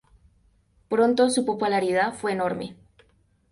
Pronto, su popularidad fue enorme.